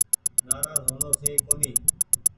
نآراز هو ڻو سئي ڪونيٚ ۔